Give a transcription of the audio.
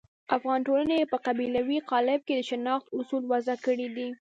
افغاني ټولنې په قبیلوي قالب کې د شناخت اصول وضع کړي دي.